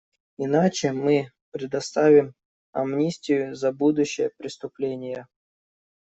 Иначе мы предоставим амнистию за будущие преступления.